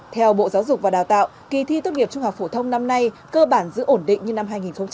theo bộ giáo dục và đào tạo kỳ thi tốt nghiệp trung học phổ thông năm nay cơ bản giữ ổn định như năm hai nghìn hai mươi